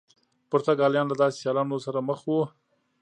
پرتګالیان له داسې سیالانو سره مخ وو.